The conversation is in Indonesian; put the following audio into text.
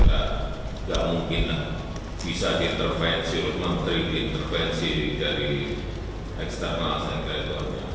nggak mungkin bisa diintervensi menteri diintervensi dari eksternal sekretarnya